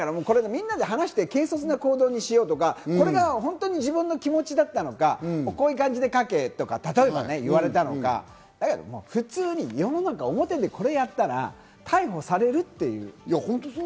みんなで話して、軽率な行動にしようとか、本当に自分の気持ちだったのか、こういうふうに書けって言われたのか、普通に世の中を表でこれをやったら逮捕されるっていう。